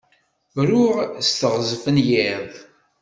Ruɣ s teɣzef n yiḍ.